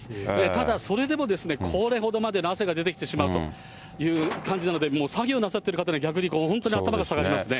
ただ、それでもこれほどまでの汗が出てきてしまうという感じなので、もう作業なさっている方に、本当に頭が下がりますね。